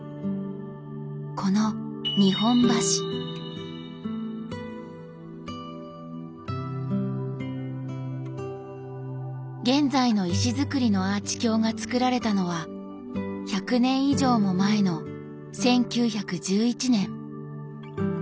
この現在の石造りのアーチ橋が造られたのは１００年以上も前の１９１１年。